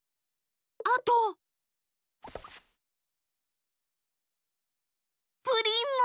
あとプリンも。